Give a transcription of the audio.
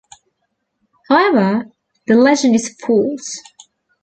However, the legend is false.